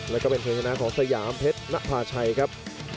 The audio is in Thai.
แล้วก็เป็นเพลงชนะของสยามเพชรนภาชัยครับ